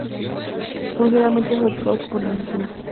Son generalmente fabricados por indígenas.